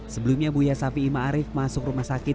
sebelumnya buya safi'i ma'arif masuk rumah sakit